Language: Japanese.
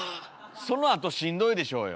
そのあとしんどいでしょうよ。